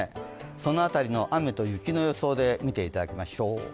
その辺り、雨の雪の予想で見ていただきましょう。